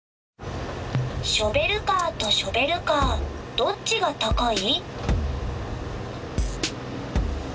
ショベルカーとショベルカーどっちが高い？